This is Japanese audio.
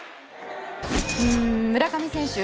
村上選手